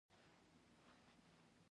لاره دومره پېچلې او بنده وه.